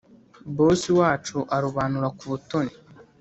Bosi wacu arobanura kubutoni